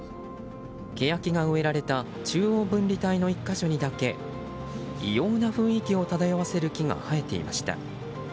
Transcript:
ケヤキが植えられた中央分離帯の１か所にだけ異様な雰囲気を漂わせる木が生えていました。